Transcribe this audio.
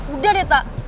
udah deh tak